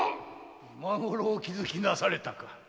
〔今ごろお気づきなされたか〕